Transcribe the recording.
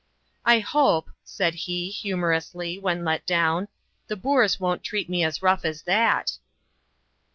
"I hope," said he, humorously, when let down, "the Boers won't treat me as rough as that."